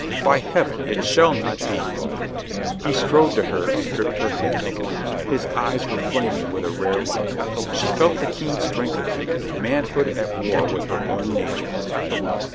By Heaven, it shall not be !" He strode to her and gripped her hands. His eyos were flaming with a rare light. She felt the keen strength of him, manhood at war with her own nature.